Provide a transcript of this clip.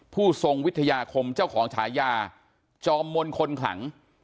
ผู้ทรงวิทยาคมเจ้าของฉายาจอมมนต์คนขลัง